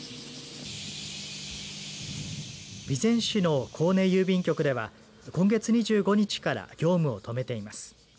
備前市の神根郵便局では今月２５日から業務を止めています。